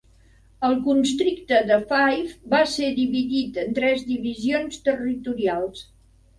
El constricte de Fife va ser dividit en tres Divisions Territorials.